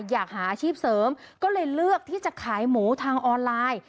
อยากหาอาชีพเสริมก็เลยเลือกที่จะขายหมูทางออนไลน์